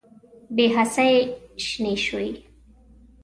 بې حسۍ شنې شوې